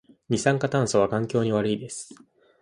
二酸化炭素は環境に悪いです